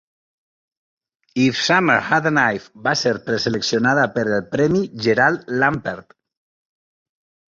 If Summer Had a Knife va ser preseleccionada per al Premi Gerald Lampert.